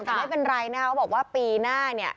ไม่เป็นไรนะเขาบอกว่าปีหน้าเนี่ย